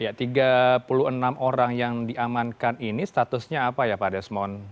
ya tiga puluh enam orang yang diamankan ini statusnya apa ya pak desmond